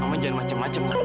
kamu jangan macem macem mah